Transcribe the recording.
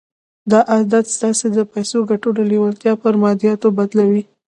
دا عادت ستاسې د پيسو ګټلو لېوالتیا پر ماديياتو بدلوي.